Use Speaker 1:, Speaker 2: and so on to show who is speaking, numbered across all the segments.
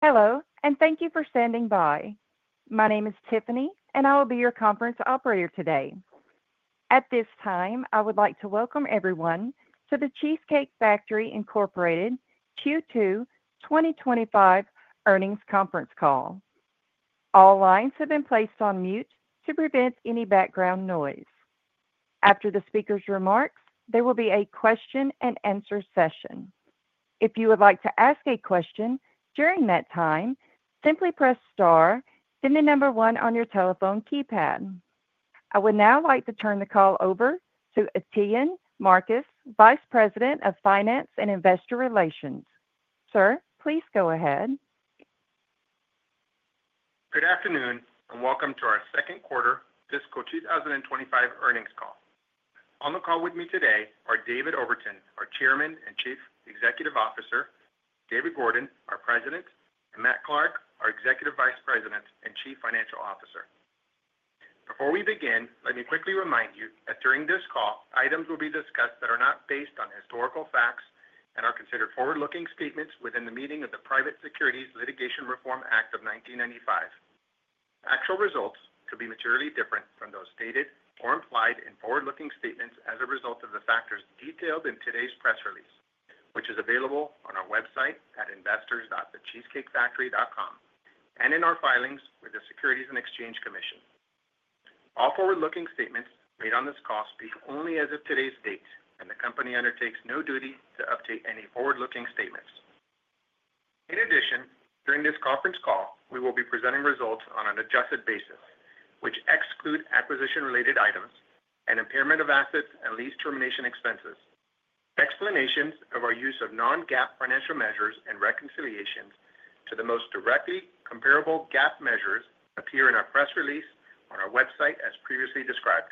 Speaker 1: Hello, and thank you for standing by. My name is Tiffany, and I will be your conference operator today. At this time, I would like to welcome everyone to The Cheesecake Factory Incorporated Q2 2025 earnings conference call. All lines have been placed on mute to prevent any background noise. After the speaker's remarks, there will be a question and answer session. If you would like to ask a question during that time, simply press star and the number one on your telephone keypad. I would now like to turn the call over to Etienne Marcus, Vice President of Finance and Investor Relations. Sir, please go ahead.
Speaker 2: Good afternoon, and welcome to our second quarter fiscal 2025 earnings call. On the call with me today are David Overton, our Chairman and Chief Executive Officer, David Gordon, our President, and Matt Clark, our Executive Vice President and Chief Financial Officer. Before we begin, let me quickly remind you that during this call, items will be discussed that are not based on historical facts and are considered forward-looking statements within the meaning of the Private Securities Litigation Reform Act of 1995. Actual results could be materially different from those stated or implied in forward-looking statements as a result of the factors detailed in today's press release, which is available on our website at investors.thecheesecakefactory.com and in our filings with the Securities and Exchange Commission. All forward-looking statements made on this call speak only as of today's date, and the company undertakes no duty to update any forward-looking statements. In addition, during this conference call, we will be presenting results on an adjusted basis, which exclude acquisition-related items and impairment of assets and lease termination expenses. Explanations of our use of non-GAAP financial measures and reconciliations to the most directly comparable GAAP measures appear in our press release on our website as previously described.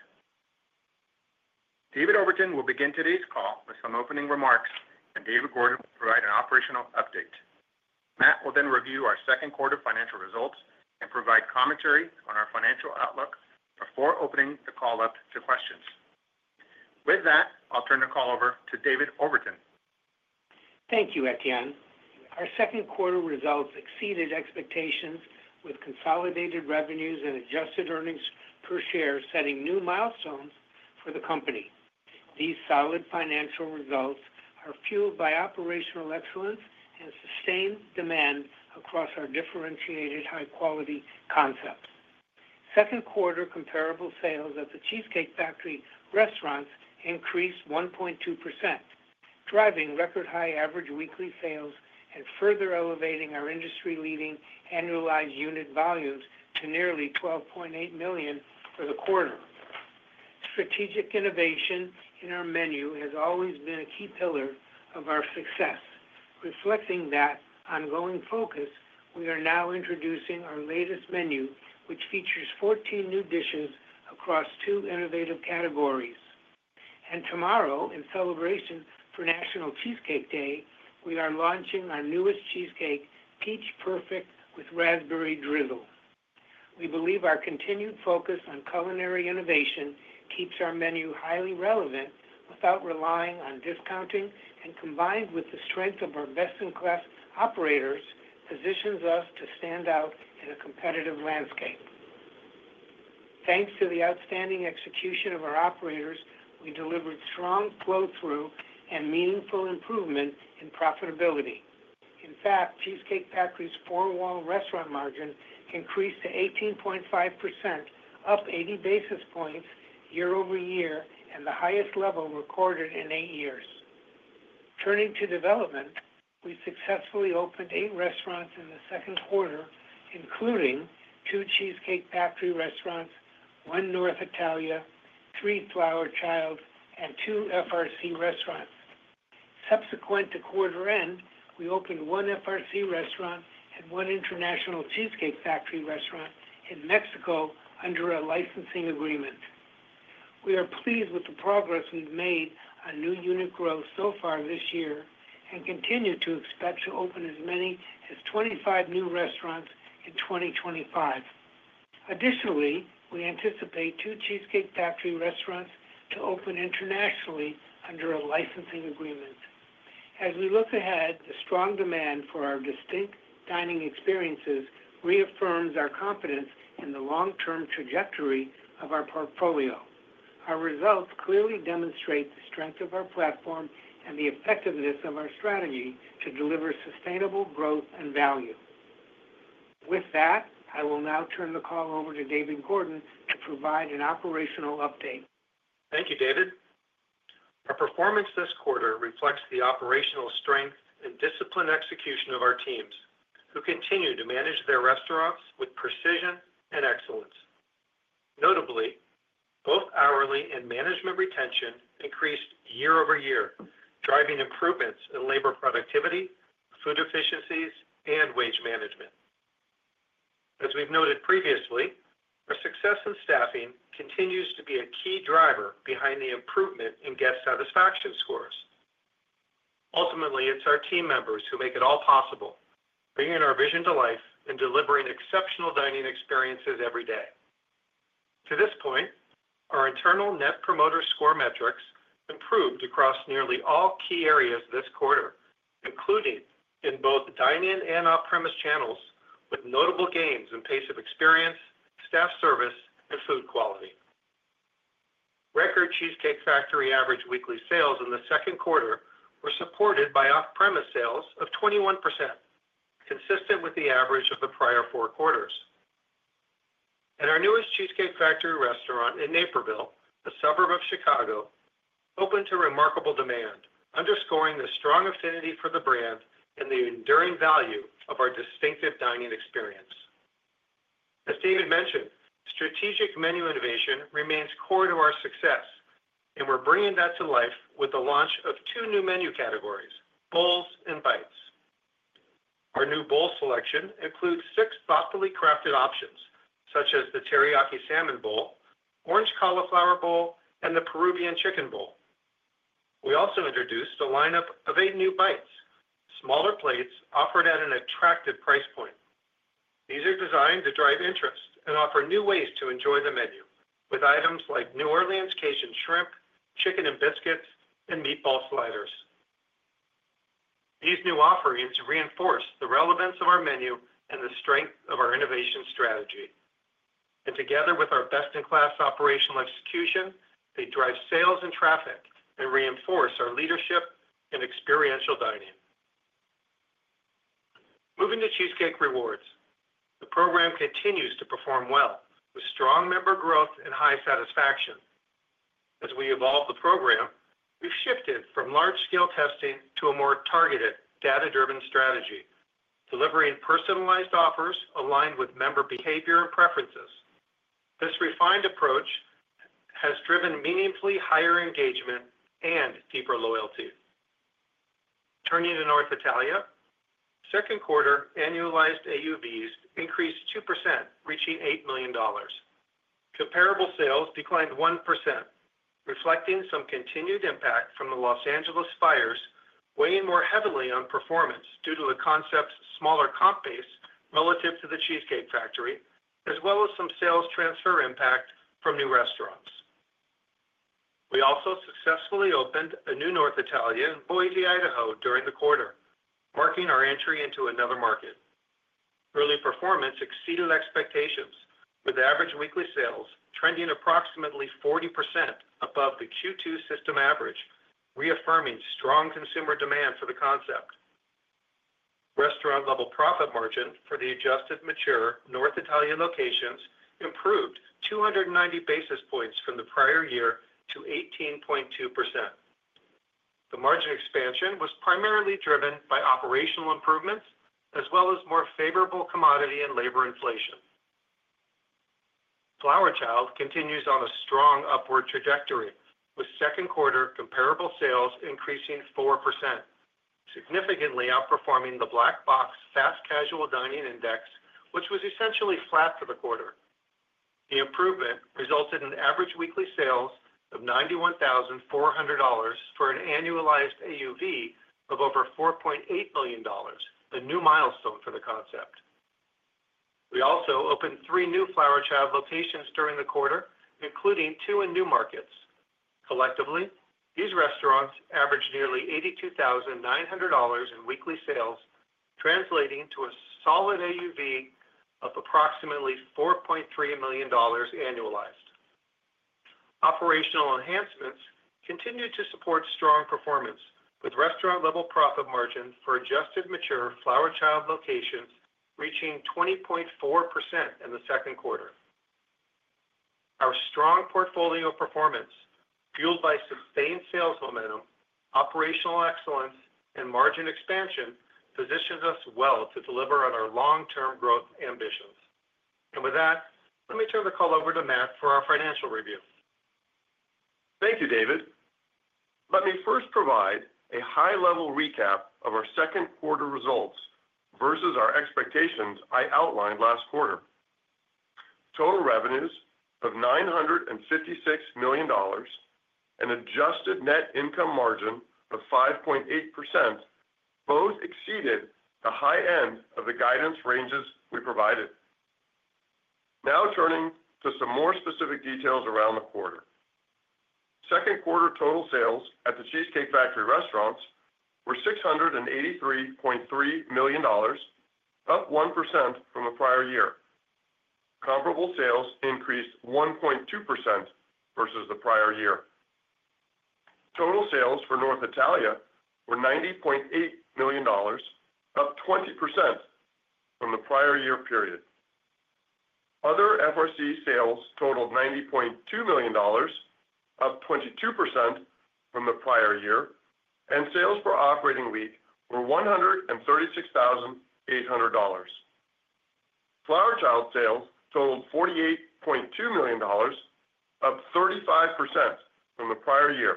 Speaker 2: David Overton will begin today's call with some opening remarks, and David Gordon will provide an operational update. Matt will then review our second quarter financial results and provide commentary on our financial outlook before opening the call up to questions. With that, I'll turn the call over to David Overton.
Speaker 3: Thank you, Etienne. Our second quarter results exceeded expectations with consolidated revenues and adjusted earnings per share, setting new milestones for the company. These solid financial results are fueled by operational excellence and sustained demand across our differentiated high-quality concepts. Second quarter comparable sales at The Cheesecake Factory restaurants increased 1.2%, driving record high average weekly sales and further elevating our industry-leading annualized unit volumes to nearly $12.8 million for the quarter. Strategic innovation in our menu has always been a key pillar of our success. Reflecting that ongoing focus, we are now introducing our latest menu, which features 14 new dishes across two innovative categories. Tomorrow, in celebration for National Cheesecake Day, we are launching our newest cheesecake, Peach Perfect with Raspberry Drizzle. We believe our continued focus on culinary innovation keeps our menu highly relevant without relying on discounting, and combined with the strength of our best-in-class operators, positions us to stand out in a competitive landscape. Thanks to the outstanding execution of our operators, we delivered strong flow-through and meaningful improvement in profitability. In fact, The Cheesecake Factory's four-wall restaurant margin increased to 18.5%, up 80 basis points year over year, and the highest level recorded in eight years. Turning to development, we successfully opened eight restaurants in the second quarter, including two The Cheesecake Factory restaurants, one North Italia, three Flower Child, and two Fox Restaurant Concepts restaurants. Subsequent to quarter end, we opened one Fox Restaurant Concepts restaurant and one international The Cheesecake Factory restaurant in Mexico under a licensing agreement. We are pleased with the progress we've made on new unit growth so far this year and continue to expect to open as many as 25 new restaurants in 2025. Additionally, we anticipate two The Cheesecake Factory restaurants to open internationally under a licensing agreement. As we look ahead, the strong demand for our distinct dining experiences reaffirms our confidence in the long-term trajectory of our portfolio. Our results clearly demonstrate the strength of our platform and the effectiveness of our strategy to deliver sustainable growth and value. With that, I will now turn the call over to David Gordon to provide an operational update.
Speaker 4: Thank you, David. Our performance this quarter reflects the operational strength and disciplined execution of our teams, who continue to manage their restaurants with precision and excellence. Notably, both hourly and management retention increased year over year, driving improvements in labor productivity, food efficiencies, and wage management. As we've noted previously, our success in staffing continues to be a key driver behind the improvement in guest satisfaction scores. Ultimately, it's our team members who make it all possible, bringing our vision to life and delivering exceptional dining experiences every day. To this point, our internal Net Promoter Score metrics improved across nearly all key areas this quarter, including in both dine-in and off-premise channels, with notable gains in pace of experience, staff service, and food quality. Record The Cheesecake Factory average weekly sales in the second quarter were supported by off-premise sales of 21%, consistent with the average of the prior four quarters. Our newest The Cheesecake Factory restaurant in Naperville, a suburb of Chicago, opened to remarkable demand, underscoring the strong affinity for the brand and the enduring value of our distinctive dining experience. As David mentioned, strategic menu innovation remains core to our success, and we're bringing that to life with the launch of two new menu categories: Bowls and Bites. Our new bowl selection includes six thoughtfully crafted options, such as the Teriyaki Salmon Bowl, Orange Cauliflower Bowl, and the Peruvian Chicken Bowl. We also introduced a lineup of eight new bites, smaller plates offered at an attractive price point. These are designed to drive interest and offer new ways to enjoy the menu, with items like New Orleans Cajun Shrimp, Chicken and Biscuits, and Meatball Sliders. These new offerings reinforce the relevance of our menu and the strength of our innovation strategy. Together with our best-in-class operational execution, they drive sales and traffic and reinforce our leadership and experiential dining. Moving to Cheesecake Rewards, the program continues to perform well, with strong member growth and high satisfaction. As we evolve the program, we've shifted from large-scale testing to a more targeted, data-driven strategy, delivering personalized offers aligned with member behavior and preferences. This refined approach has driven meaningfully higher engagement and deeper loyalty. Turning to North Italia, second quarter annualized AUVs increased 2%, reaching $8 million. Comparable sales declined 1%, reflecting some continued impact from the Los Angeles fires, weighing more heavily on performance due to the concept's smaller comp base relative to The Cheesecake Factory, as well as some sales transfer impact from new restaurants. We also successfully opened a new North Italia in Boise, Idaho, during the quarter, marking our entry into another market. Early performance exceeded expectations, with average weekly sales trending approximately 40% above the Q2 system average, reaffirming strong consumer demand for the concept. Restaurant-level profit margin for the adjusted mature North Italia locations improved 290 basis points from the prior year to 18.2%. The margin expansion was primarily driven by operational improvements, as well as more favorable commodity and labor inflation. Flower Child continues on a strong upward trajectory, with second quarter comparable sales increasing 4%, significantly outperforming the Black Box Fast Casual Dining Index, which was essentially flat for the quarter. The improvement resulted in average weekly sales of $91,400 for an annualized AUV of over $4.8 million, a new milestone for the concept. We also opened three new Flower Child locations during the quarter, including two in new markets. Collectively, these restaurants averaged nearly $82,900 in weekly sales, translating to a solid AUV of approximately $4.3 million annualized. Operational enhancements continue to support strong performance, with restaurant-level profit margins for adjusted mature Flower Child locations reaching 20.4% in the second quarter. Our strong portfolio performance, fueled by sustained sales momentum, operational excellence, and margin expansion, positions us well to deliver on our long-term growth ambitions. Let me turn the call over to Matt for our financial review.
Speaker 5: Thank you, David. Let me first provide a high-level recap of our second quarter results versus our expectations I outlined last quarter. Total revenues of $956 million and adjusted net income margin of 5.8% both exceeded the high end of the guidance ranges we provided. Now turning to some more specific details around the quarter. Second quarter total sales at The Cheesecake Factory restaurants were $683.3 million, up 1% from the prior year. Comparable sales increased 1.2% versus the prior year. Total sales for North Italia were $90.8 million, up 20% from the prior year period. Other FRC sales totaled $90.2 million, up 22% from the prior year, and sales per operating week were $136,800. Flower Child sales totaled $48.2 million, up 35% from the prior year,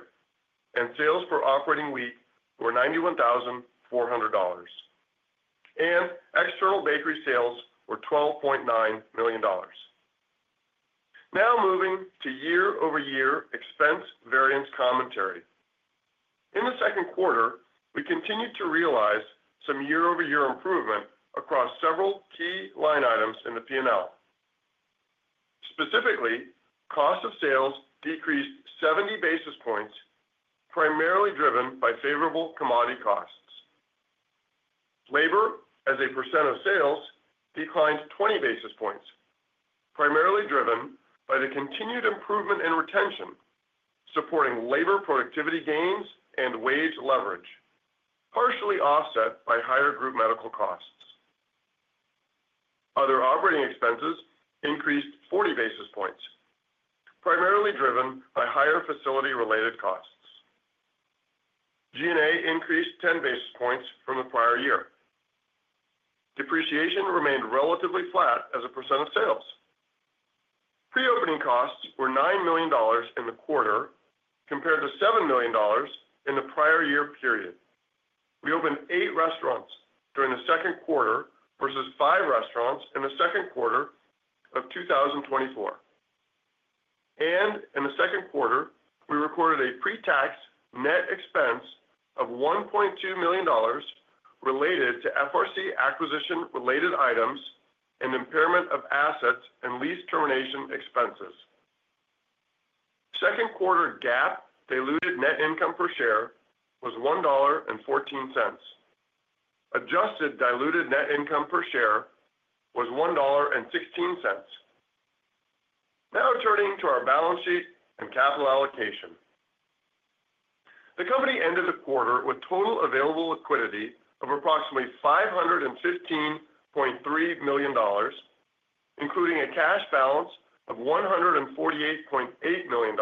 Speaker 5: and sales per operating week were $91,400. External bakery sales were $12.9 million. Now moving to year-over-year expense variance commentary. In the second quarter, we continued to realize some year-over-year improvement across several key line items in the P&L. Specifically, cost of sales decreased 70 basis points, primarily driven by favorable commodity costs. Labor as a percent of sales declined 20 basis points, primarily driven by the continued improvement in retention, supporting labor productivity gains and wage leverage, partially offset by higher group medical costs. Other operating expenses increased 40 basis points, primarily driven by higher facility-related costs. G&A increased 10 basis points from the prior year. Depreciation remained relatively flat as a percent of sales. Pre-opening costs were $9 million in the quarter compared to $7 million in the prior year period. We opened eight restaurants during the second quarter versus five restaurants in the second quarter of 2023. In the second quarter, we recorded a pre-tax net expense of $1.2 million related to FRC acquisition-related items and impairment of assets and lease termination expenses. Second quarter GAAP diluted net income per share was $1.14. Adjusted diluted net income per share was $1.16. Now turning to our balance sheet and capital allocation. The company ended the quarter with total available liquidity of approximately $515.3 million, including a cash balance of $148.8 million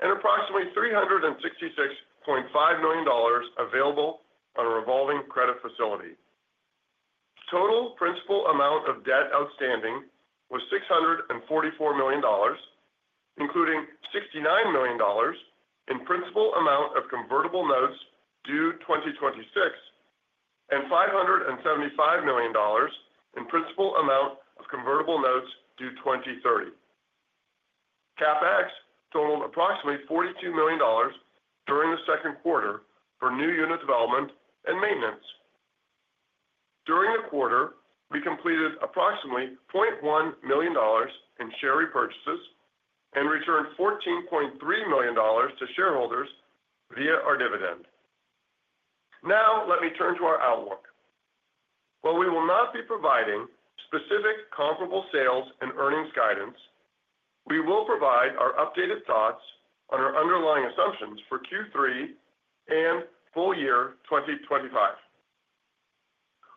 Speaker 5: and approximately $366.5 million available on a revolving credit facility. Total principal amount of debt outstanding was $644 million, including $69 million in principal amount of convertible notes due 2026 and $575 million in principal amount of convertible notes due 2030. CapEx totaled approximately $42 million during the second quarter for new unit development and maintenance. During the quarter, we completed approximately $0.1 million in share repurchases and returned $14.3 million to shareholders via our dividend. Now let me turn to our outlook. While we will not be providing specific comparable sales and earnings guidance, we will provide our updated thoughts on our underlying assumptions for Q3 and full year 2025.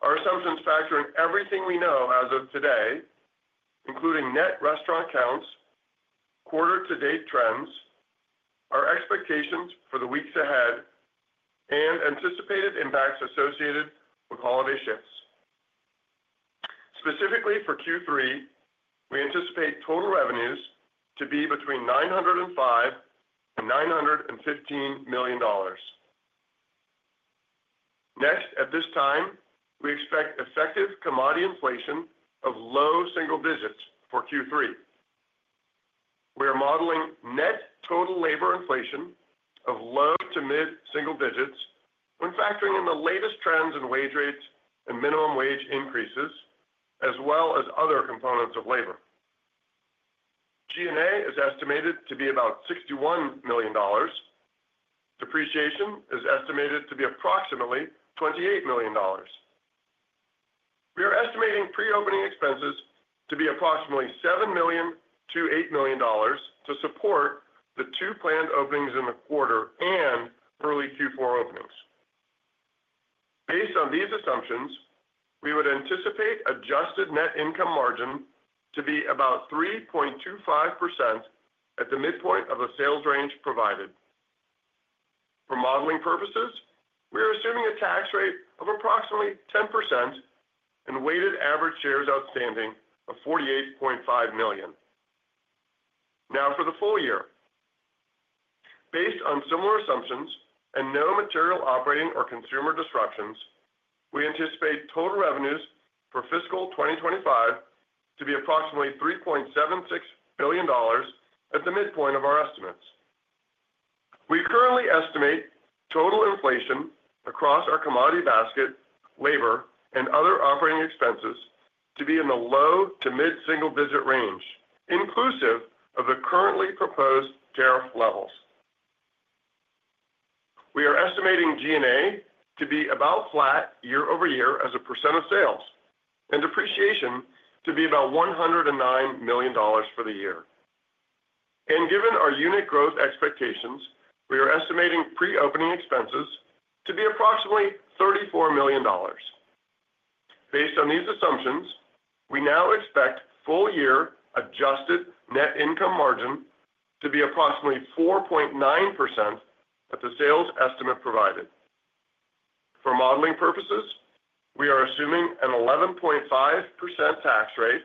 Speaker 5: Our assumptions factor in everything we know as of today, including net restaurant counts, quarter-to-date trends, our expectations for the weeks ahead, and anticipated impacts associated with holiday shifts. Specifically for Q3, we anticipate total revenues to be between $905 million and $915 million. Next, at this time, we expect effective commodity inflation of low single digits for Q3. We are modeling net total labor inflation of low to mid-single digits when factoring in the latest trends in wage rates and minimum wage increases, as well as other components of labor. G&A is estimated to be about $61 million. Depreciation is estimated to be approximately $28 million. We are estimating pre-opening expenses to be approximately $7 million-$8 million to support the two planned openings in the quarter and early Q4 openings. Based on these assumptions, we would anticipate adjusted net income margin to be about 3.25% at the midpoint of the sales range provided. For modeling purposes, we are assuming a tax rate of approximately 10% and weighted average shares outstanding of 48.5 million. Now for the full year, based on similar assumptions and no material operating or consumer disruptions, we anticipate total revenues for fiscal 2025 to be approximately $3.76 billion at the midpoint of our estimates. We currently estimate total inflation across our commodity basket, labor, and other operating expenses to be in the low to mid-single digit range, inclusive of the currently proposed tariff levels. We are estimating G&A to be about flat year over year as a percent of sales and depreciation to be about $109 million for the year. Given our unit growth expectations, we are estimating pre-opening expenses to be approximately $34 million. Based on these assumptions, we now expect full year adjusted net income margin to be approximately 4.9% at the sales estimate provided. For modeling purposes, we are assuming an 11.5% tax rate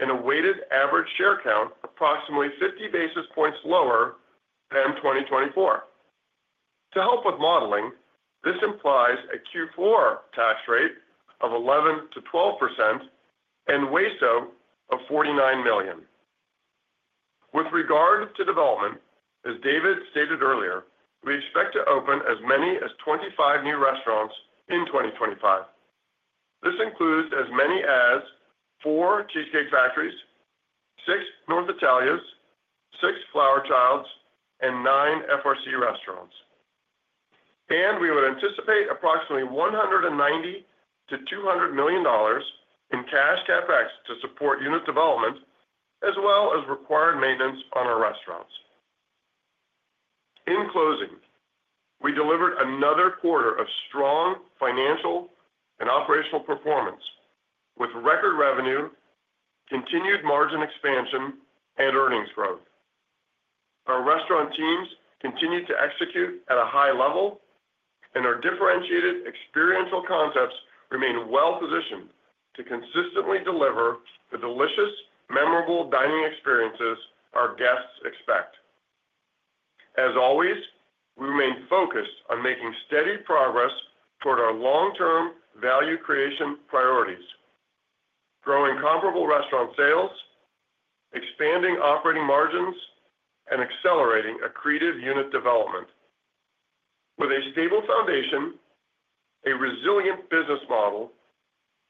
Speaker 5: and a weighted average share count approximately 50 basis points lower than 2024. To help with modeling, this implies a Q4 tax rate of 11%-12% and WACO of 49 million. With regard to development, as David stated earlier, we expect to open as many as 25 new restaurants in 2025. This includes as many as four The Cheesecake Factory locations, six North Italia locations, six Flower Childs, and nine Fox Restaurant Concepts restaurants. We would anticipate approximately $190 million-$200 million in cash CapEx to support unit development, as well as required maintenance on our restaurants. In closing, we delivered another quarter of strong financial and operational performance with record revenue, continued margin expansion, and earnings growth. Our restaurant teams continue to execute at a high level, and our differentiated experiential concepts remain well-positioned to consistently deliver the delicious, memorable dining experiences our guests expect. As always, we remain focused on making steady progress toward our long-term value creation priorities, growing comparable restaurant sales, expanding operating margins, and accelerating accretive unit development. With a stable foundation, a resilient business model,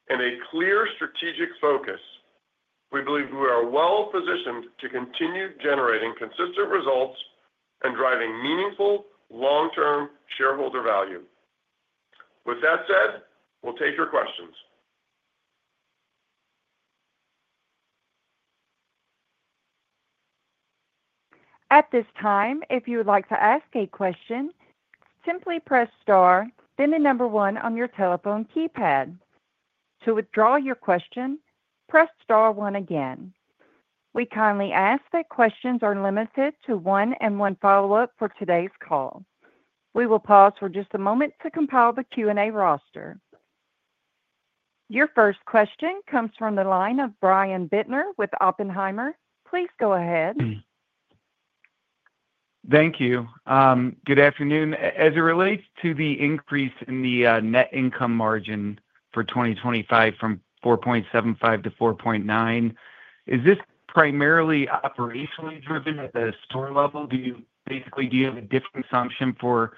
Speaker 5: and a clear strategic focus, we believe we are well-positioned to continue generating consistent results and driving meaningful long-term shareholder value. With that said, we'll take your questions.
Speaker 1: At this time, if you would like to ask a question, simply press star, then the number one on your telephone keypad. To withdraw your question, press star one again. We kindly ask that questions are limited to one and one follow-up for today's call. We will pause for just a moment to compile the Q&A roster. Your first question comes from the line of Brian Bittner with Oppenheimer. Please go ahead.
Speaker 6: Thank you. Good afternoon. As it relates to the increase in the net income margin for 2025 from 4.75%-4.9%, is this primarily operationally driven at the store level? Do you have a different assumption for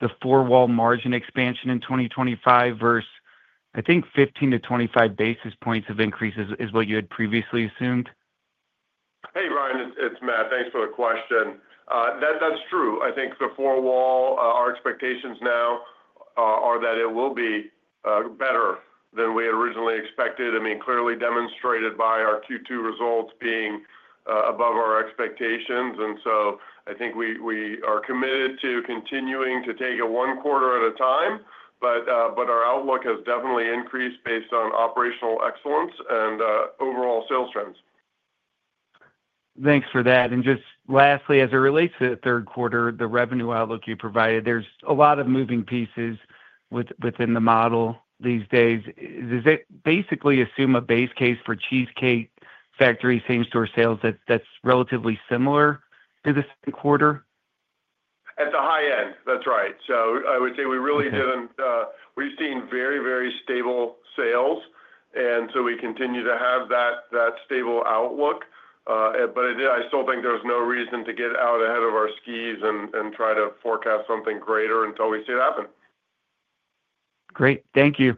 Speaker 6: the four-wall restaurant margin expansion in 2025 versus, I think, 15 to 25 basis points of increases is what you had previously assumed?
Speaker 5: Hey, Ryan. It's Matt. Thanks for the question. That's true. I think the four-wall, our expectations now are that it will be better than we had originally expected. I mean, clearly demonstrated by our Q2 results being above our expectations. I think we are committed to continuing to take it one quarter at a time, but our outlook has definitely increased based on operational excellence and overall sales trends.
Speaker 6: Thanks for that. Just lastly, as it relates to the third quarter, the revenue outlook you provided, there's a lot of moving pieces within the model these days. Does it basically assume a base case for The Cheesecake Factory same-store sales that's relatively similar to the second quarter?
Speaker 5: At the high end, that's right. I would say we really didn't, we've seen very, very stable sales, and we continue to have that stable outlook. I still think there's no reason to get out ahead of our skis and try to forecast something greater until we see it happen.
Speaker 6: Great. Thank you.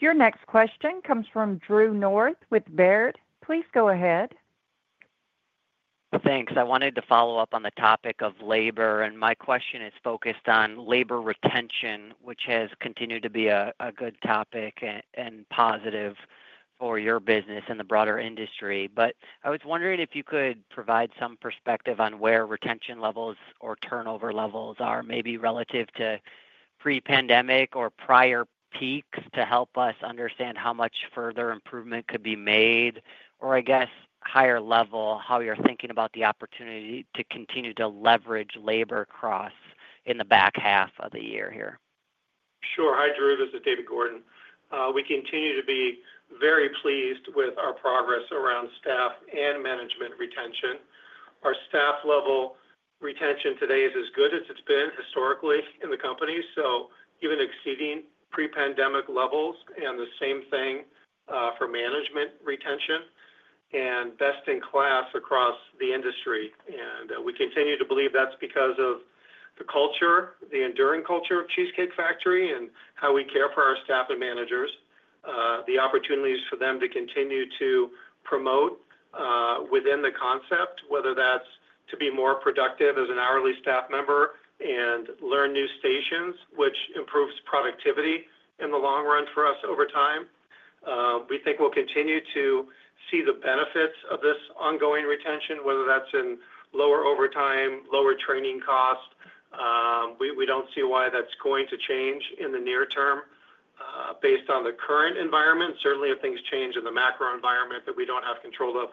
Speaker 1: Your next question comes from Drew North with Baird. Please go ahead.
Speaker 7: Thanks. I wanted to follow up on the topic of labor. My question is focused on labor retention, which has continued to be a good topic and positive for your business in the broader industry. I was wondering if you could provide some perspective on where retention levels or turnover levels are, maybe relative to pre-pandemic or prior peaks, to help us understand how much further improvement could be made, or, I guess higher level, how you're thinking about the opportunity to continue to leverage labor across in the back half of the year here.
Speaker 4: Sure. Hi, Drew. This is David Gordon. We continue to be very pleased with our progress around staff and management retention. Our staff level retention today is as good as it's been historically in the company, even exceeding pre-pandemic levels. The same thing for management retention and best-in-class across the industry. We continue to believe that's because of the culture, the enduring culture of The Cheesecake Factory, and how we care for our staff and managers, the opportunities for them to continue to promote within the concept, whether that's to be more productive as an hourly staff member and learn new stations, which improves productivity in the long run for us over time. We think we'll continue to see the benefits of this ongoing retention, whether that's in lower overtime, lower training cost. We don't see why that's going to change in the near term, based on the current environment. Certainly, if things change in the macro environment that we don't have control of,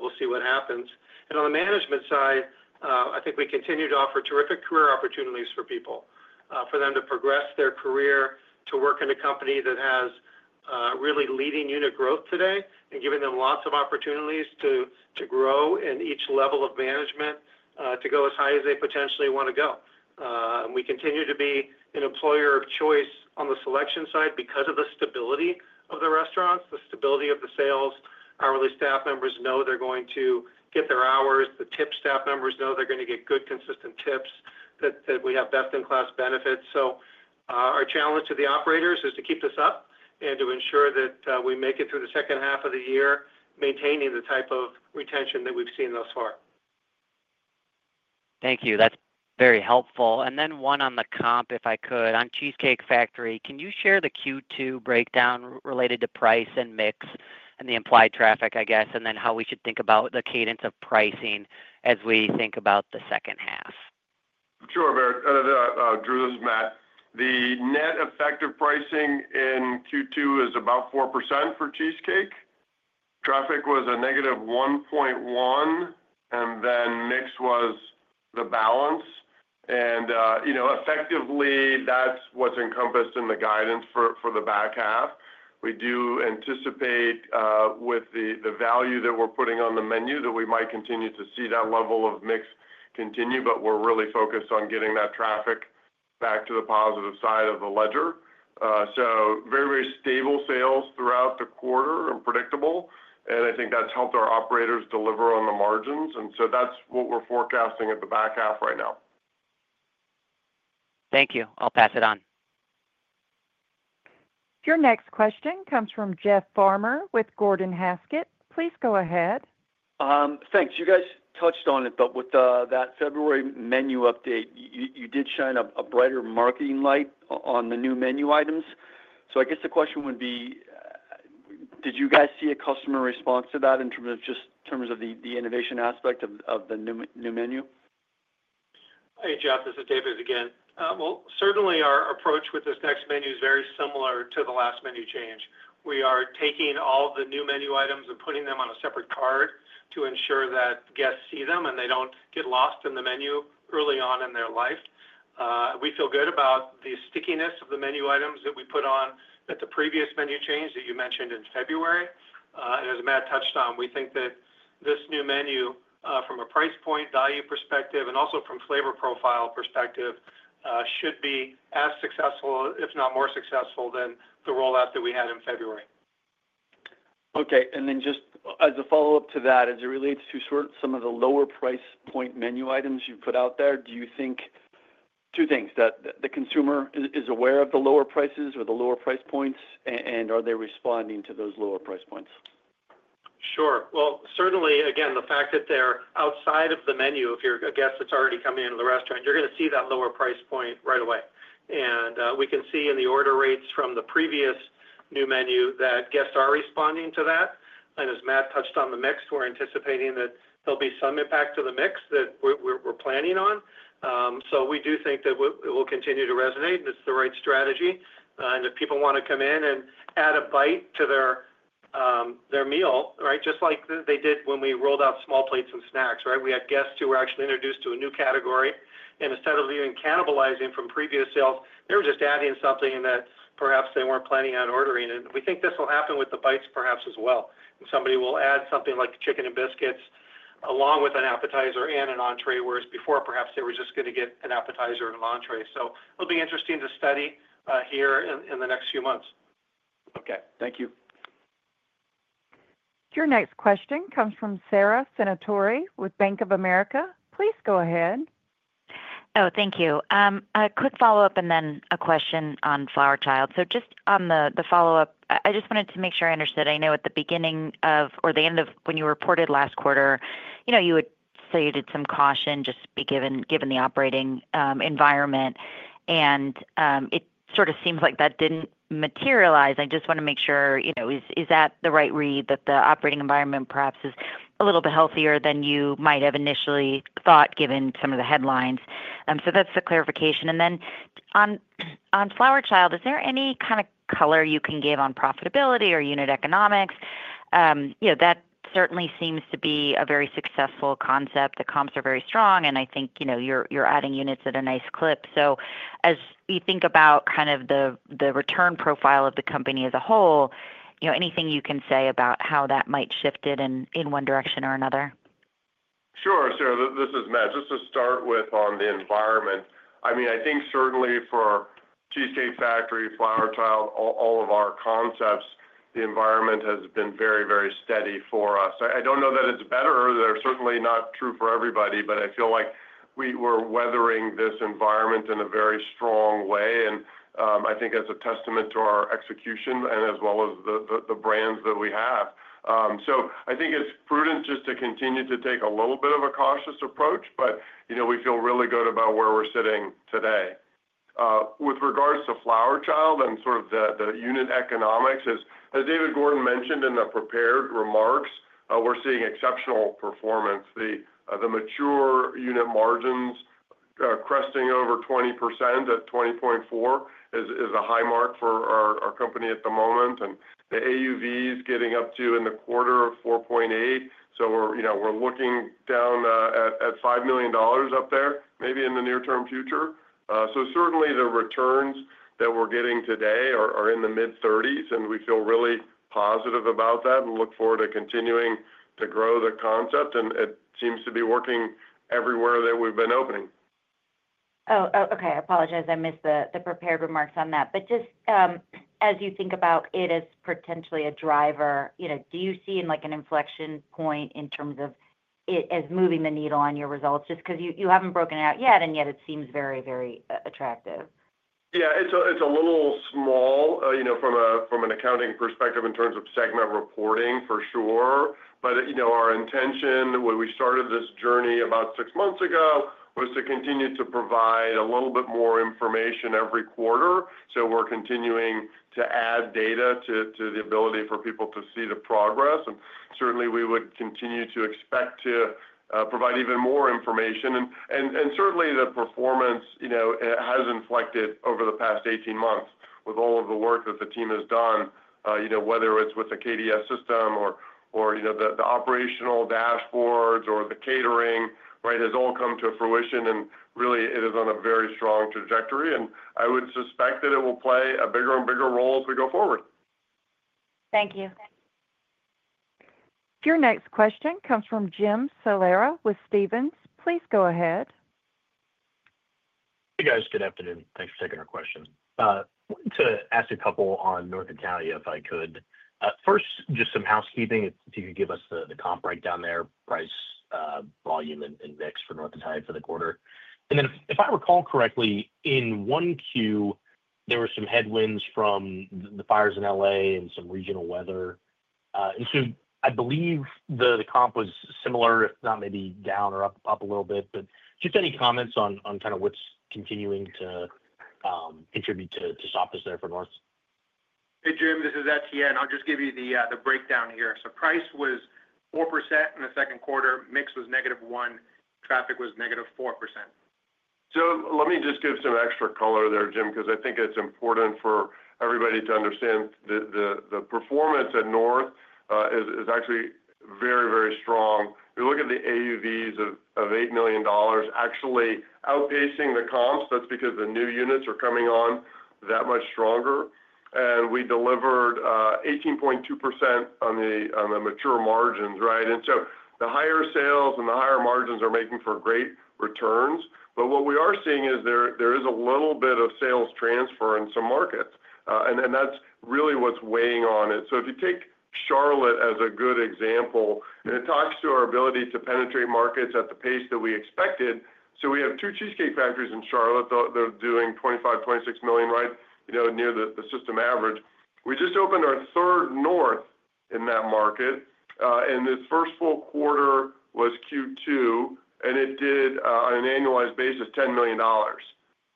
Speaker 4: we'll see what happens. On the management side, I think we continue to offer terrific career opportunities for people, for them to progress their career, to work in a company that has really leading unit growth today and giving them lots of opportunities to grow in each level of management, to go as high as they potentially want to go. We continue to be an employer of choice on the selection side because of the stability of the restaurants, the stability of the sales. Hourly staff members know they're going to get their hours. The tip staff members know they're going to get good, consistent tips, that we have best-in-class benefits. Our challenge to the operators is to keep this up and to ensure that we make it through the second half of the year, maintaining the type of retention that we've seen thus far.
Speaker 7: Thank you. That's very helpful. One on the comp, if I could, on The Cheesecake Factory, can you share the Q2 breakdown related to price and mix and the implied traffic, I guess, and how we should think about the cadence of pricing as we think about the second half?
Speaker 5: Sure, Barrett. Drew, this is Matt. The net effective pricing in Q2 is about 4% for The Cheesecake Factory. Traffic was a -1.1%, and then mix was the balance. Effectively, that's what's encompassed in the guidance for the back half. We do anticipate, with the value that we're putting on the menu, that we might continue to see that level of mix continue, but we're really focused on getting that traffic back to the positive side of the ledger. Very, very stable sales throughout the quarter and predictable. I think that's helped our operators deliver on the margins. That's what we're forecasting at the back half right now.
Speaker 7: Thank you. I'll pass it on.
Speaker 1: Your next question comes from Jeff Farmer with Gordon Haskett. Please go ahead.
Speaker 8: Thanks. You guys touched on it, but with that February menu update, you did shine a brighter marketing light on the new menu items. I guess the question would be, did you guys see a customer response to that in terms of just the innovation aspect of the new menu?
Speaker 4: Hey, Jeff. This is David again. Certainly, our approach with this next menu is very similar to the last menu change. We are taking all of the new menu items and putting them on a separate card to ensure that guests see them and they don't get lost in the menu early on in their life. We feel good about the stickiness of the menu items that we put on at the previous menu change that you mentioned in February. As Matt touched on, we think that this new menu, from a price point value perspective and also from flavor profile perspective, should be as successful, if not more successful, than the rollout that we had in February.
Speaker 8: Okay. Just as a follow-up to that, as it relates to some of the lower price point menu items you put out there, do you think two things: that the consumer is aware of the lower prices or the lower price points, and are they responding to those lower price points?
Speaker 4: Sure. Certainly, again, the fact that they're outside of the menu, if you're a guest that's already coming into the restaurant, you're going to see that lower price point right away. We can see in the order rates from the previous new menu that guests are responding to that. As Matt touched on the mix, we're anticipating that there'll be some impact to the mix that we're planning on. We do think that it will continue to resonate, and it's the right strategy. If people want to come in and add a bite to their meal, just like they did when we rolled out small plates and snacks, we had guests who were actually introduced to a new category. Instead of even cannibalizing from previous sales, they were just adding something that perhaps they weren't planning on ordering. We think this will happen with the bites perhaps as well. Somebody will add something like chicken and biscuits along with an appetizer and an entree, whereas before, perhaps they were just going to get an appetizer and an entree. It'll be interesting to study here in the next few months.
Speaker 8: Okay, thank you.
Speaker 1: Your next question comes from Sarah Senatori with Bank of America. Please go ahead.
Speaker 9: Oh, thank you. A quick follow-up and then a question on Flower Child. Just on the follow-up, I just wanted to make sure I understood. I know at the beginning or the end of when you reported last quarter, you would say you did some caution just given the operating environment. It sort of seems like that didn't materialize. I just want to make sure, is that the right read that the operating environment perhaps is a little bit healthier than you might have initially thought given some of the headlines? That's the clarification. Then on Flower Child, is there any kind of color you can give on profitability or unit economics? That certainly seems to be a very successful concept. The comps are very strong. I think you're adding units at a nice clip. As you think about the return profile of the company as a whole, anything you can say about how that might shift it in one direction or another?
Speaker 5: Sure. Sarah, this is Matt. Just to start with on the environment, I mean, I think certainly for The Cheesecake Factory, Flower Child, all of our concepts, the environment has been very, very steady for us. I don't know that it's better, or that's certainly not true for everybody, but I feel like we're weathering this environment in a very strong way. I think that's a testament to our execution as well as the brands that we have. I think it's prudent just to continue to take a little bit of a cautious approach, but you know, we feel really good about where we're sitting today. With regards to Flower Child and sort of the unit economics, as David Gordon mentioned in the prepared remarks, we're seeing exceptional performance. The mature unit margins, cresting over 20% at 20.4%, is a high mark for our company at the moment. The AUVs getting up to in the quarter of $4.8 million. We're looking down at $5 million up there, maybe in the near-term future. Certainly the returns that we're getting today are in the mid-30%, and we feel really positive about that and look forward to continuing to grow the concept. It seems to be working everywhere that we've been opening.
Speaker 9: Okay. I apologize. I missed the prepared remarks on that. As you think about it as potentially a driver, do you see an inflection point in terms of it moving the needle on your results just because you haven't broken it out yet and yet it seems very, very attractive?
Speaker 5: Yeah. It's a little small, you know, from an accounting perspective in terms of segment reporting for sure. Our intention when we started this journey about six months ago was to continue to provide a little bit more information every quarter. We're continuing to add data to the ability for people to see the progress. We would continue to expect to provide even more information. Certainly, the performance has inflected over the past 18 months with all of the work that the team has done, whether it's with the KDS system or the operational dashboards or the catering, right, has all come to fruition. It is on a very strong trajectory. I would suspect that it will play a bigger and bigger role as we go forward.
Speaker 9: Thank you.
Speaker 1: Your next question comes from Jim Salera with Stephens. Please go ahead.
Speaker 10: Hey, guys. Good afternoon. Thanks for taking our question. I wanted to ask a couple on North Italia, if I could. First, just some housekeeping. If you could give us the comp breakdown there, price, volume, and mix for North Italia for the quarter. If I recall correctly, in Q1, there were some headwinds from the fires in L.A. and some regional weather. I believe the comp was similar, if not maybe down or up a little bit. Any comments on what's continuing to contribute to softness there for North?
Speaker 2: Hey, Jim. This is Etienne. I'll just give you the breakdown here. Price was 4% in the second quarter. Mix was -1%. Traffic was -4%.
Speaker 5: Let me just give some extra color there, Jim, because I think it's important for everybody to understand the performance at North is actually very, very strong. You look at the AUVs of $8 million actually outpacing the comps. That's because the new units are coming on that much stronger. We delivered 18.2% on the mature margins, right? The higher sales and the higher margins are making for great returns. What we are seeing is there is a little bit of sales transfer in some markets, and that's really what's weighing on it. If you take Charlotte as a good example, it talks to our ability to penetrate markets at the pace that we expected. We have two Cheesecake Factory locations in Charlotte. They're doing $25 million, $26 million, right, near the system average. We just opened our third North in that market, and this first full quarter was Q2. It did, on an annualized basis, $10 million,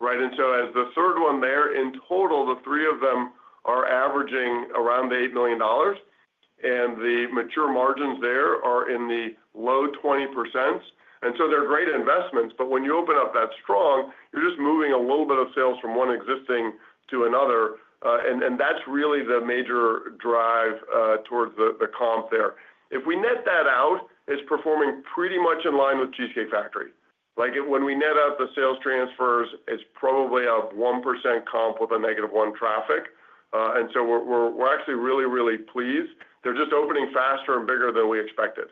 Speaker 5: right? As the third one there, in total, the three of them are averaging around $8 million. The mature margins there are in the low 20%. They're great investments. When you open up that strong, you're just moving a little bit of sales from one existing to another, and that's really the major drive towards the comp there. If we net that out, it's performing pretty much in line with The Cheesecake Factory. When we net out the sales transfers, it's probably a 1% comp with a -1 traffic. We're actually really, really pleased. They're just opening faster and bigger than we expected.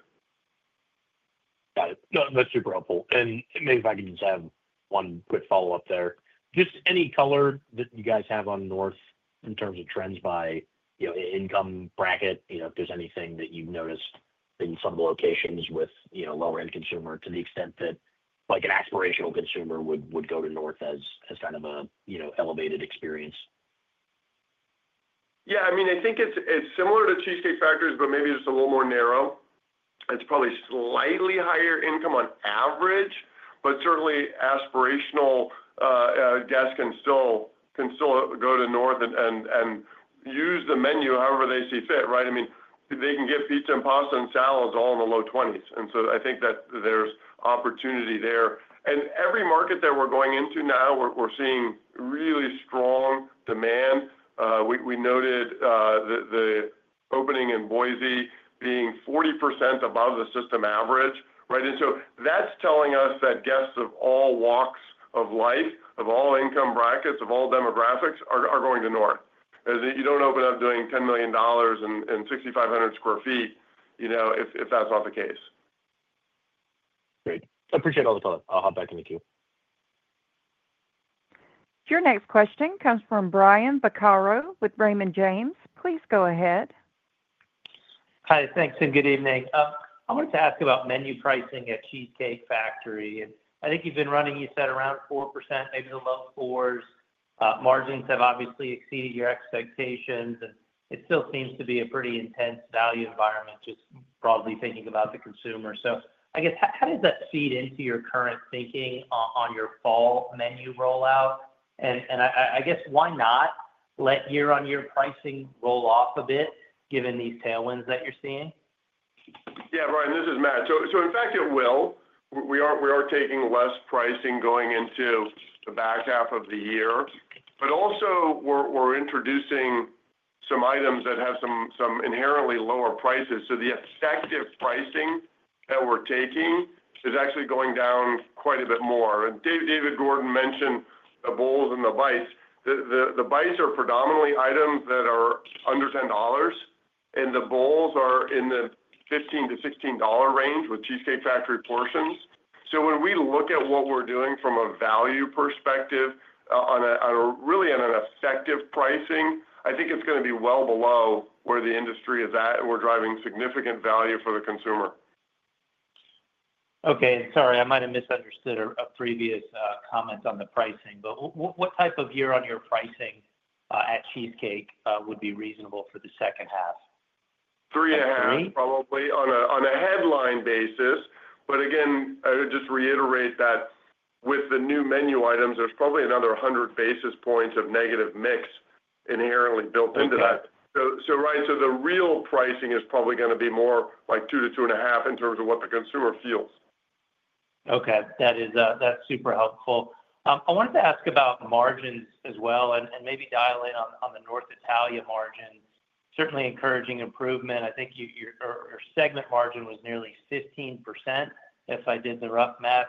Speaker 10: Got it. That's super helpful. Maybe if I can just add one quick follow-up there. Just any color that you guys have on North in terms of trends by income bracket, if there's anything that you've noticed in some of the locations with lower-end consumer to the extent that like an aspirational consumer would go to North as kind of an elevated experience?
Speaker 5: Yeah. I mean, I think it's similar to The Cheesecake Factory's, but maybe just a little more narrow. It's probably slightly higher income on average, but certainly aspirational guests can still go to North and use the menu however they see fit, right? I mean, they can get pizza and pasta and salads all in the low $20s. I think that there's opportunity there. In every market that we're going into now, we're seeing really strong demand. We noted the opening in Boise being 40% above the system average, right? That's telling us that guests of all walks of life, of all income brackets, of all demographics are going to North. You don't open up doing $10 million in 6,500 sq ft if that's not the case.
Speaker 10: Great. I appreciate all the color. I'll hop back in the queue.
Speaker 1: Your next question comes from Brian Vaccaro with Raymond James. Please go ahead.
Speaker 11: Hi. Thanks, and good evening. I wanted to ask about menu pricing at The Cheesecake Factory. I think you've been running, you said, around 4%, maybe the low 4%. Margins have obviously exceeded your expectations. It still seems to be a pretty intense value environment, just broadly thinking about the consumer. I guess how does that feed into your current thinking on your fall menu rollout? I guess why not let year-on-year pricing roll off a bit, given these tailwinds that you're seeing?
Speaker 5: Yeah, Brian. This is Matt. In fact, it will. We are taking less pricing going into the back half of the year. We're introducing some items that have some inherently lower prices. The effective pricing that we're taking is actually going down quite a bit more. David Gordon mentioned the Bowls and Bites. The Bites are predominantly items that are under $10. The Bowls are in the $15-$16 range with The Cheesecake Factory portions. When we look at what we're doing from a value perspective, on an effective pricing, I think it's going to be well below where the industry is at. We're driving significant value for the consumer.
Speaker 11: Okay. Sorry, I might have misunderstood a previous comment on the pricing. What type of year-on-year pricing at The Cheesecake would be reasonable for the second half?
Speaker 5: Three and a half, probably, on a headline basis. I would just reiterate that with the new menu items, there's probably another 100 basis points of negative mix inherently built into that. The real pricing is probably going to be more like 2%-2.5% in terms of what the consumer feels.
Speaker 11: Okay. That is, that's super helpful. I wanted to ask about margins as well and maybe dial in on the North Italia margin. Certainly encouraging improvement. I think your segment margin was nearly 15%, if I did the rough math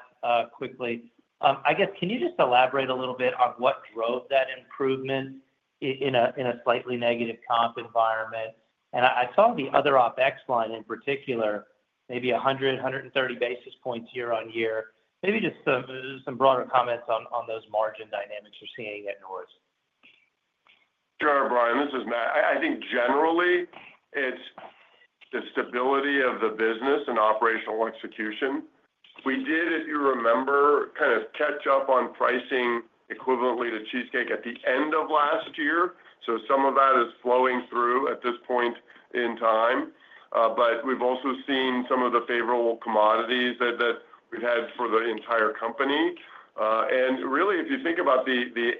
Speaker 11: quickly. I guess, can you just elaborate a little bit on what drove that improvement in a slightly negative comp environment? I saw the other OpEx line in particular, maybe 100, 130 basis points year on year. Maybe just some broader comments on those margin dynamics you're seeing at North.
Speaker 5: Sure, Brian. This is Matt. I think generally, it's the stability of the business and operational execution. We did, if you remember, kind of catch up on pricing equivalently to Cheesecake at the end of last year. Some of that is flowing through at this point in time. We've also seen some of the favorable commodities that we've had for the entire company. If you think about the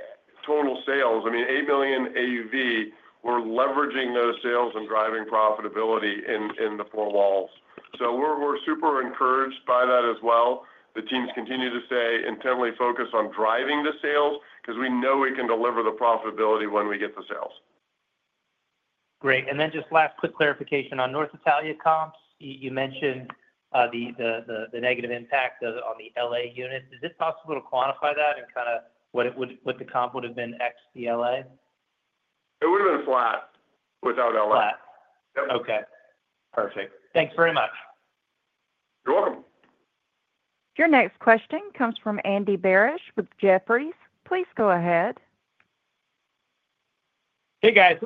Speaker 5: total sales, I mean, $8 million AUV, we're leveraging those sales and driving profitability in the four walls. We're super encouraged by that as well. The teams continue to stay intently focused on driving the sales because we know we can deliver the profitability when we get the sales.
Speaker 11: Great. Just last quick clarification on North Italia comps. You mentioned the negative impact on the L.A. units. Is it possible to quantify that and what the comp would have been ex the L.A.?
Speaker 5: It would have been flat without L.A.
Speaker 11: Flat.
Speaker 5: Yep.
Speaker 11: Okay. Perfect. Thanks very much.
Speaker 5: You're welcome.
Speaker 1: Your next question comes from Andy Barish with Jefferies. Please go ahead.
Speaker 12: Hey, guys.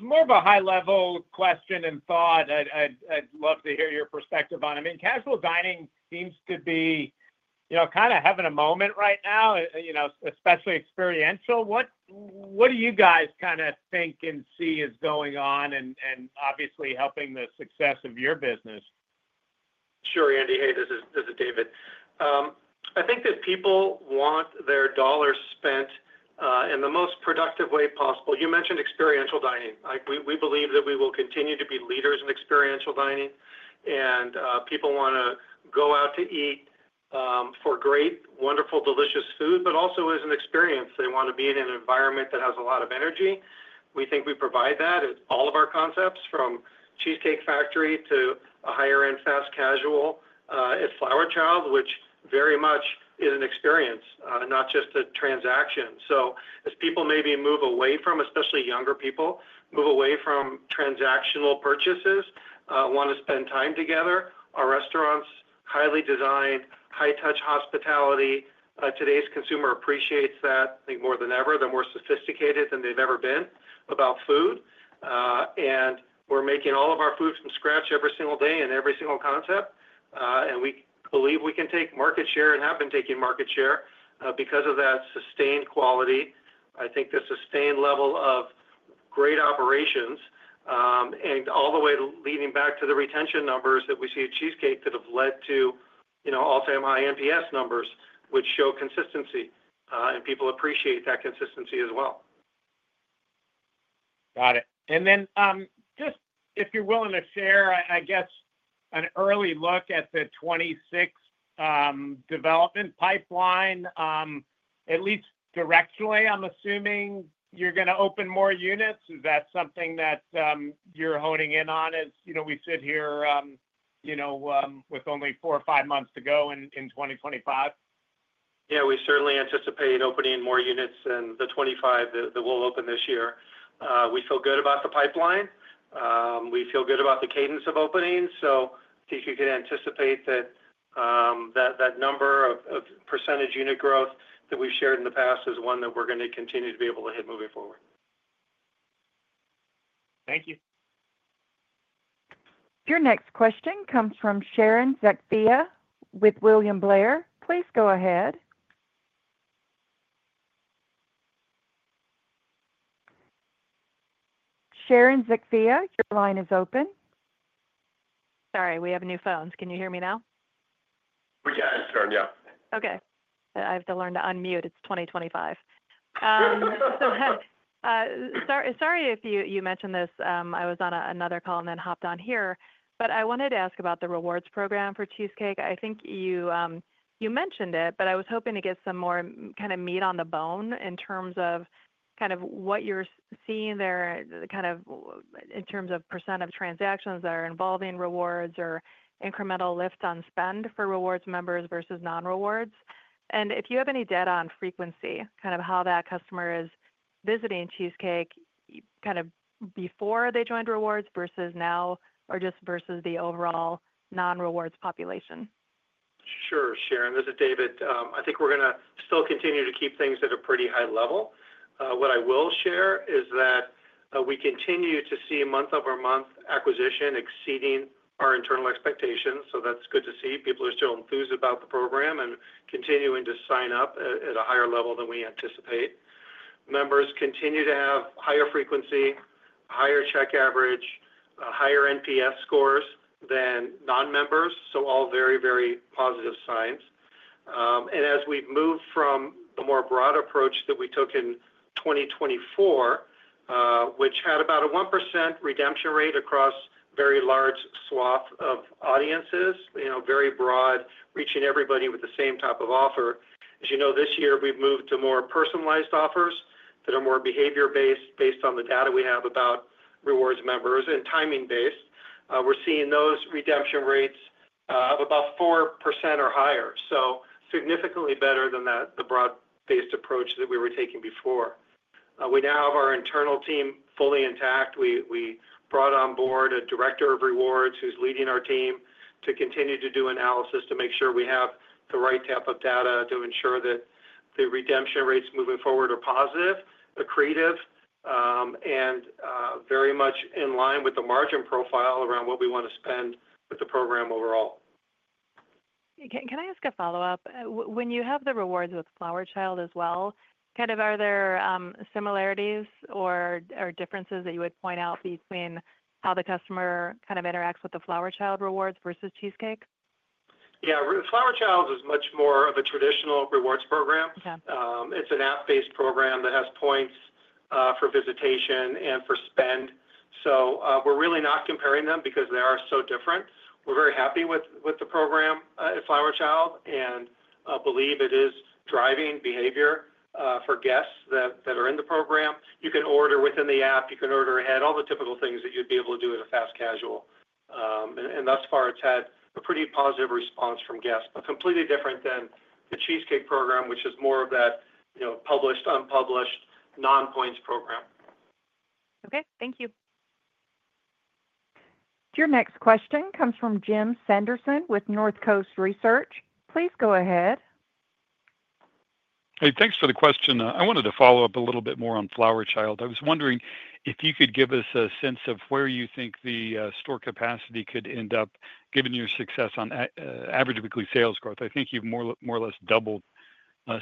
Speaker 12: More of a high-level question and thought. I'd love to hear your perspective on it. I mean, casual dining seems to be, you know, kind of having a moment right now, especially experiential. What do you guys kind of think and see is going on and obviously helping the success of your business?
Speaker 4: Sure, Andy. Hey, this is David. I think that people want their dollars spent in the most productive way possible. You mentioned experiential dining. We believe that we will continue to be leaders in experiential dining. People want to go out to eat for great, wonderful, delicious food, but also as an experience. They want to be in an environment that has a lot of energy. We think we provide that. It's all of our concepts from The Cheesecake to a higher-end fast casual at Flower Child, which very much is an experience, not just a transaction. As people, maybe especially younger people, move away from transactional purchases, they want to spend time together. Our restaurants are highly designed, high-touch hospitality. Today's consumer appreciates that. I think more than ever, they're more sophisticated than they've ever been about food. We're making all of our food from scratch every single day in every single concept. We believe we can take market share and have been taking market share because of that sustained quality. I think the sustained level of great operations, and all the way leading back to the retention numbers that we see at The Cheesecake, have led to all-time high NPS numbers, which show consistency. People appreciate that consistency as well.
Speaker 12: Got it. If you're willing to share, I guess an early look at the 2026 development pipeline, at least directionally, I'm assuming you're going to open more units. Is that something that you're honing in on as we sit here, you know, with only four or five months to go in 2025?
Speaker 4: Yeah. We certainly anticipate opening more units than the 25 that we'll open this year. We feel good about the pipeline. We feel good about the cadence of opening. I think you can anticipate that number of percentage unit growth that we've shared in the past is one that we're going to continue to be able to hit moving forward.
Speaker 12: Thank you.
Speaker 1: Your next question comes from Sharon Zackfia with William Blair. Please go ahead. Sharon Zackfia, your line is open.
Speaker 13: Sorry, we have new phones. Can you hear me now?
Speaker 5: Yeah, I can hear you.
Speaker 13: Okay, I have to learn to unmute. It's 2025.
Speaker 5: Yeah, yeah.
Speaker 13: Sorry if you mentioned this. I was on another call and then hopped on here. I wanted to ask about the rewards program for Cheesecake. I think you mentioned it, but I was hoping to get some more kind of meat on the bone in terms of what you're seeing there, in terms of percentage of transactions that are involving rewards or incremental lifts on spend for rewards members versus non-rewards. If you have any data on frequency, how that customer is visiting Cheesecake before they joined rewards versus now or just versus the overall non-rewards population.
Speaker 4: Sure, Sharon. This is David. I think we're going to still continue to keep things at a pretty high level. What I will share is that we continue to see month-over-month acquisition exceeding our internal expectations. That's good to see. People are still enthused about the program and continuing to sign up at a higher level than we anticipate. Members continue to have higher frequency, higher check average, higher NPS scores than non-members. All very, very positive signs. As we've moved from the more broad approach that we took in 2024, which had about a 1% redemption rate across a very large swath of audiences, very broad, reaching everybody with the same type of offer. As you know, this year, we've moved to more personalized offers that are more behavior-based based on the data we have about rewards members and timing-based. We're seeing those redemption rates of about 4% or higher. Significantly better than the broad-based approach that we were taking before. We now have our internal team fully intact. We brought on board a Director of Rewards who's leading our team to continue to do analysis to make sure we have the right type of data to ensure that the redemption rates moving forward are positive, accretive, and very much in line with the margin profile around what we want to spend with the program overall.
Speaker 13: Can I ask a follow-up? When you have the rewards with Flower Child as well, are there similarities or differences that you would point out between how the customer interacts with the Flower Child rewards versus Cheesecake?
Speaker 4: Yeah. Flower Child is much more of a traditional rewards program. It's an app-based program that has points for visitation and for spend. We're really not comparing them because they are so different. We're very happy with the program at Flower Child and believe it is driving behavior for guests that are in the program. You can order within the app. You can order ahead, all the typical things that you'd be able to do at a fast casual, and thus far, it's had a pretty positive response from guests, but completely different than the Cheesecake program, which is more of that, you know, published, unpublished, non-points program.
Speaker 13: Okay, thank you.
Speaker 1: Your next question comes from Jim Sanderson with Northcoast Research. Please go ahead.
Speaker 14: Hey, thanks for the question. I wanted to follow up a little bit more on Flower Child. I was wondering if you could give us a sense of where you think the store capacity could end up given your success on average weekly sales growth. I think you've more or less doubled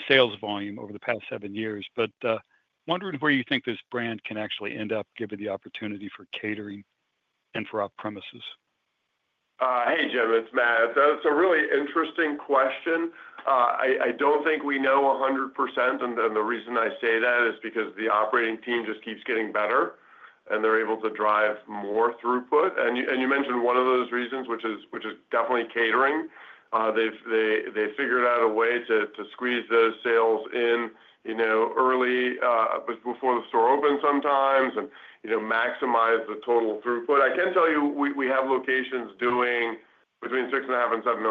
Speaker 14: sales volume over the past seven years. I'm wondering where you think this brand can actually end up given the opportunity for catering and for off-premises.
Speaker 5: Hey, Jim. It's Matt. It's a really interesting question. I don't think we know 100%. The reason I say that is because the operating team just keeps getting better, and they're able to drive more throughput. You mentioned one of those reasons, which is definitely catering. They've figured out a way to squeeze those sales in, you know, early, before the store opens sometimes and, you know, maximize the total throughput. I can tell you we have locations doing between $6.5 million and $7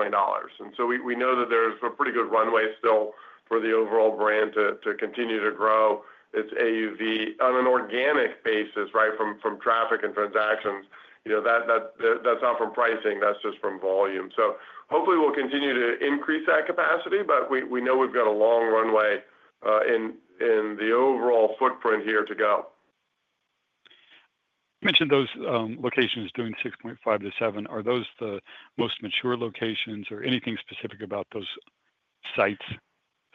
Speaker 5: million. We know that there's a pretty good runway still for the overall brand to continue to grow. It's AUV on an organic basis, right, from traffic and transactions. That's not from pricing. That's just from volume. Hopefully, we'll continue to increase that capacity, but we know we've got a long runway in the overall footprint here to go.
Speaker 14: You mentioned those locations doing $6.5 million-$7 million. Are those the most mature locations, or anything specific about those sites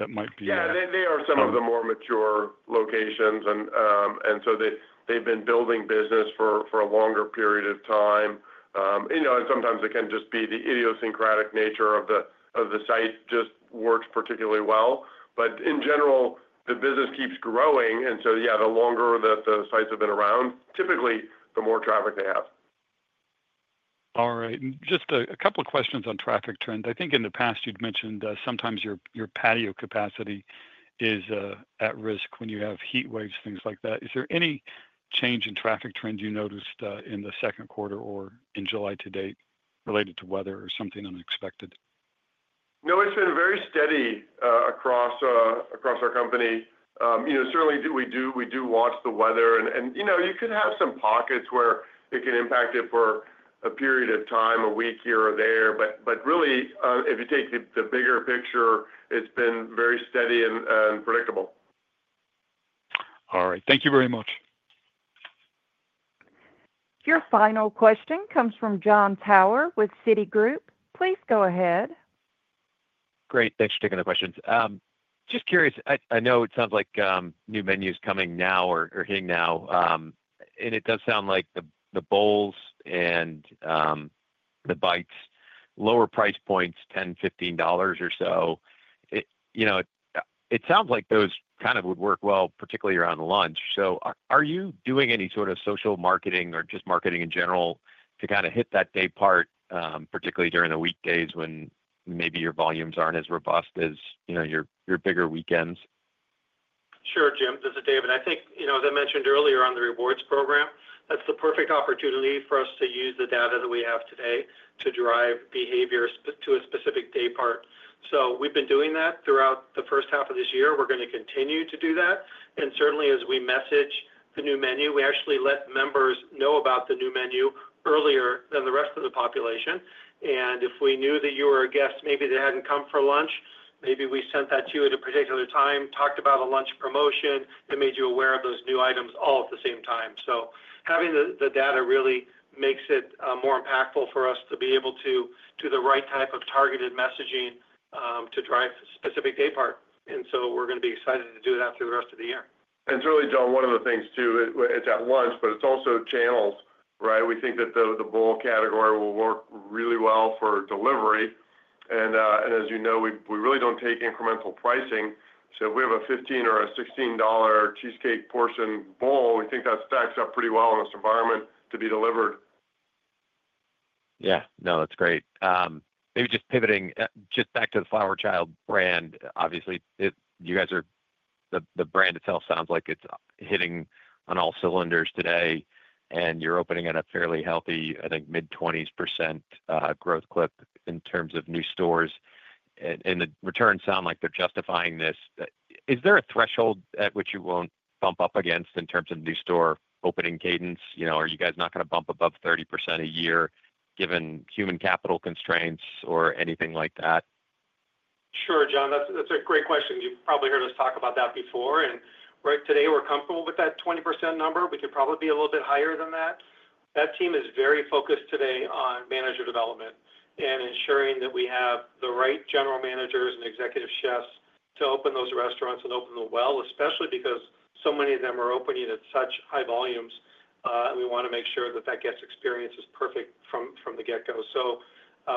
Speaker 14: that might be?
Speaker 5: Yeah. They are some of the more mature locations, and so they've been building business for a longer period of time. Sometimes it can just be the idiosyncratic nature of the site just works particularly well. In general, the business keeps growing. The longer that the sites have been around, typically, the more traffic they have.
Speaker 14: All right. Just a couple of questions on traffic trends. I think in the past, you'd mentioned sometimes your patio capacity is at risk when you have heat waves, things like that. Is there any change in traffic trends you noticed in the second quarter or in July to date related to weather or something unexpected?
Speaker 5: No, it's been very steady across our company. Certainly, we do watch the weather, and you could have some pockets where it can impact it for a period of time, a week here or there. Really, if you take the bigger picture, it's been very steady and predictable.
Speaker 14: All right, thank you very much.
Speaker 1: Your final question comes from Jon Tower with Citi. Please go ahead.
Speaker 15: Great. Thanks for taking the questions. Just curious, I know it sounds like new menus coming now or hitting now. It does sound like the Bowls and Bites, lower price points, $10, $15 or so. It sounds like those kind of would work well, particularly around lunch. Are you doing any sort of social marketing or just marketing in general to kind of hit that day part, particularly during the weekdays when maybe your volumes aren't as robust as your bigger weekends?
Speaker 4: Sure, Jim. This is David. I think, as I mentioned earlier on the rewards program, that's the perfect opportunity for us to use the data that we have today to drive behaviors to a specific day part. We've been doing that throughout the first half of this year. We're going to continue to do that. Certainly, as we message the new menu, we actually let members know about the new menu earlier than the rest of the population. If we knew that you were a guest, maybe they hadn't come for lunch, maybe we sent that to you at a particular time, talked about a lunch promotion, and made you aware of those new items all at the same time. Having the data really makes it more impactful for us to be able to do the right type of targeted messaging to drive a specific day part. We're going to be excited to do that through the rest of the year.
Speaker 5: It's really, John, one of the things too, it's at lunch, but it's also channels, right? We think that the bowl category will work really well for delivery. As you know, we really don't take incremental pricing. If we have a $15 or a $16 Cheesecake portion bowl, we think that stacks up pretty well in this environment to be delivered.
Speaker 15: Yeah. No, that's great. Maybe just pivoting back to the Flower Child brand. Obviously, you guys are, the brand itself sounds like it's hitting on all cylinders today. You're opening at a fairly healthy, I think, mid-20s % growth clip in terms of new stores, and the returns sound like they're justifying this. Is there a threshold at which you won't bump up against in terms of new store opening cadence? You know, are you guys not going to bump above 30% a year given human capital constraints or anything like that?
Speaker 4: Sure, John. That's a great question. You've probably heard us talk about that before. Right today, we're comfortable with that 20% number. We could probably be a little bit higher than that. That team is very focused today on manager development and ensuring that we have the right General Managers and Executive Chefs to open those restaurants and open them well, especially because so many of them are opening at such high volumes. We want to make sure that the guest experience is perfect from the get-go.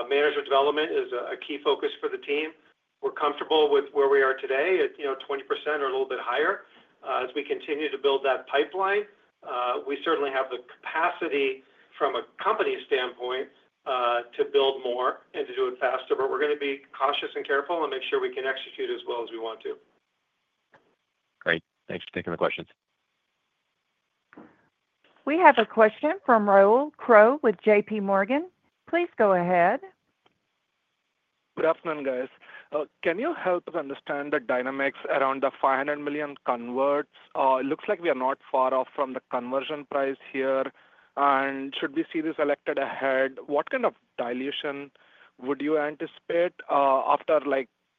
Speaker 4: Manager development is a key focus for the team. We're comfortable with where we are today at, you know, 20% or a little bit higher. As we continue to build that pipeline, we certainly have the capacity from a company standpoint to build more and to do it faster. We're going to be cautious and careful and make sure we can execute as well as we want to.
Speaker 15: Great. Thanks for taking the questions.
Speaker 1: We have a question from Raul Crow with J.P. Morgan. Please go ahead.
Speaker 16: Good afternoon, guys. Can you help us understand the dynamics around the $500 million converts? It looks like we are not far off from the conversion price here. Should we see this elected ahead, what kind of dilution would you anticipate after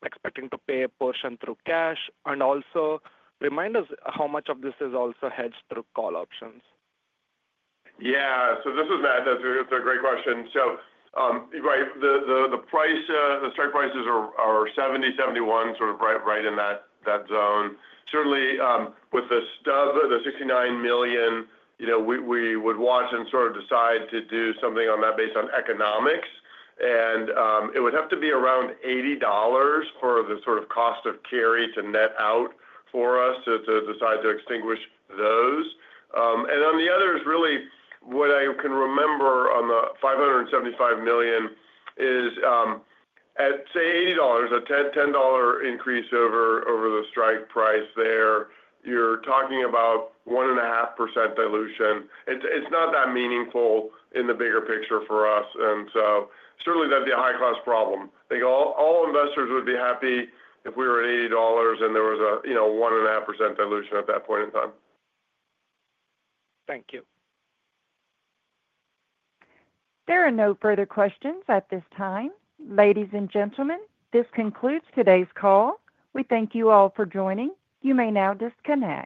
Speaker 16: expecting to pay a portion through cash? Also, remind us how much of this is hedged through call options.
Speaker 5: Yeah. This is Matt. That's a great question. The price, the start prices are $70, $71, sort of right in that zone. Certainly, with the stub, the $69 million, we would watch and sort of decide to do something on that based on economics. It would have to be around $80 for the sort of cost of carry to net out for us to decide to extinguish those. On the others, really, what I can remember on the $575 million is, at say $80, a $10 increase over the strike price there, you're talking about 1.5% dilution. It's not that meaningful in the bigger picture for us. Certainly, that'd be a high-class problem. I think all investors would be happy if we were at $80 and there was a 1.5% dilution at that point in time.
Speaker 16: Thank you.
Speaker 1: There are no further questions at this time. Ladies and gentlemen, this concludes today's call. We thank you all for joining. You may now disconnect.